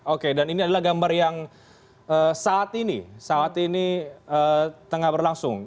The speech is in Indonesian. oke dan ini adalah gambar yang saat ini saat ini tengah berlangsung